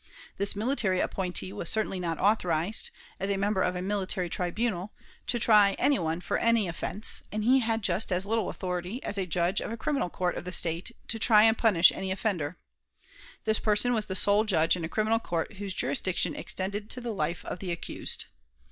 This military appointee was certainly not authorized, as a member of a military tribunal, to try any one for an offense; and he had just as little authority, as a Judge of a criminal court of the State, to try and punish any offender. This person was sole judge in a criminal court whose jurisdiction extended to the life of the accused.